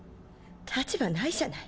立場ないじゃない。